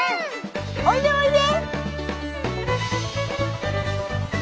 おいでおいで！